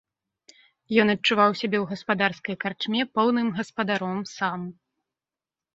Ён адчуваў сябе ў гаспадарскай карчме поўным гаспадаром сам.